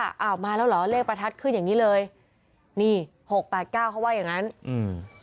อ้าวมาแล้วเหรอเลขประทัดขึ้นอย่างงี้เลยนี่หกแปดเก้าเขาว่าอย่างงั้นอืม